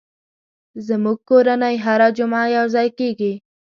زموږ کورنۍ هره جمعه یو ځای کېږي.